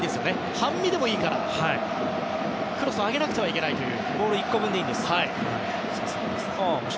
半身でもいいからクロスを上げなくてはいけないという。